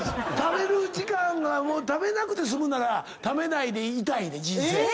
食べる時間が食べなくて済むなら食べないでいたいねん人生。